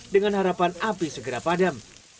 dengan harapan api segera padam